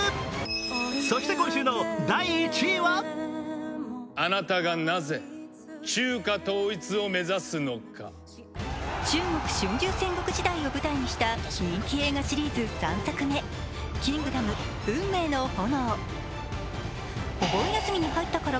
そして今週の第１位は中国・春秋戦国時代を舞台にした人気映画シリーズ３作目「キングダム運命の炎」。